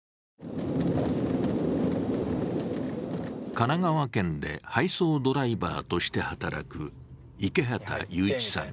神奈川県で配送ドライバーとして働く池畑裕一さん